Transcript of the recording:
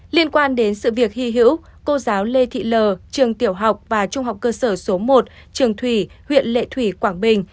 liên quan đến sự việc hy hữu cô giáo lê thị lờ trường tiểu học và trung học cơ sở số một trường thủy huyện lệ thủy quảng bình